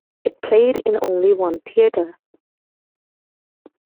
It played in only one theater.